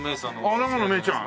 あら永野芽郁ちゃん